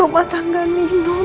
apa yaih berani masuk lagi